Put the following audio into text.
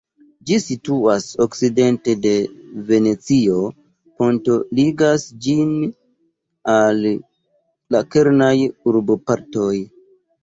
Ĝi situas okcidente de Venecio; ponto ligas ĝin al la kernaj urbopartoj.